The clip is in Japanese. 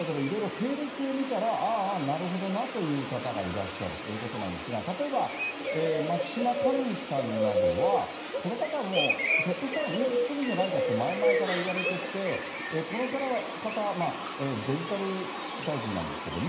いろいろ経歴を見たら、ああ、なるほどなあという方がいらっしゃるということなんですが、例えば、牧島かれんさんなどは、この方はもう、ひょっとしたら、入閣するんじゃないかって前々からいわれてて、この方、デジタル大臣なんですけども。